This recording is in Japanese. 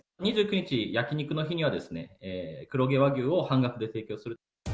２９日焼き肉の日には、黒毛和牛を半額で提供する。